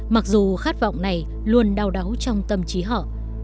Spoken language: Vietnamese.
mặc dù khát vọng này luôn đau đáu trong tâm trí họ